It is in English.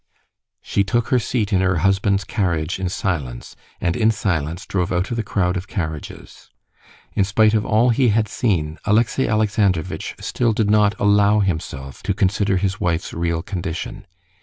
She took her seat in her husband's carriage in silence, and in silence drove out of the crowd of carriages. In spite of all he had seen, Alexey Alexandrovitch still did not allow himself to consider his wife's real condition.